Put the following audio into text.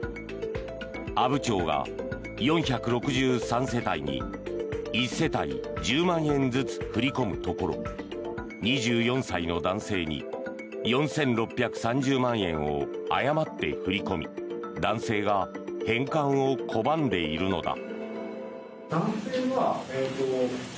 阿武町が４６３世帯に１世帯１０万円ずつ振り込むところ、２４歳の男性に４６３０万円を誤って振り込み男性が返還を拒んでいるのだ。